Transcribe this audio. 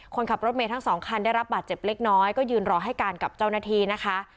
คนขับรถเมย์ทั้งสองคันได้รับบาดเจ็บเล็กน้อยก็ยืนรอให้การกับเจ้าหน้าที่นะคะ